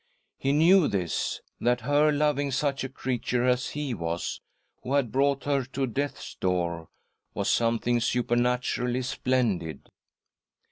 He knew this — that her loving such a creature as he was, who had brought her to death's door, was some thing supernaturally splendid!